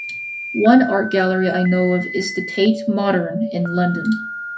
One art gallery I know of is the Tate Modern in London.